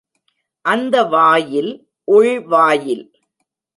அந்த வாயில் உள்வாயில்.